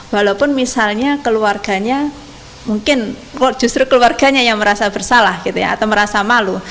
walaupun misalnya keluarganya mungkin justru keluarganya yang merasa bersalah gitu ya atau merasa malu